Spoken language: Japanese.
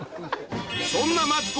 そんなマツコ